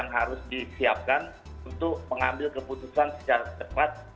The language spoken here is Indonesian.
yang harus disiapkan untuk mengambil keputusan secara cepat